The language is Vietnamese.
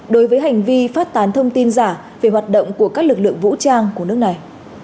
đối với hành vi phát tán thông tin giả về hoạt động của các lực lượng vũ trang của nước này